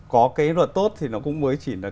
có cái luật tốt thì nó cũng mới chỉ là